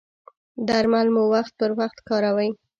درمل مو وخت پر وخت کاروئ؟